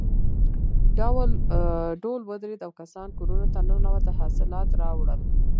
ډول ودرېد او کسان کورونو ته ننوتل حاصلات راوړل.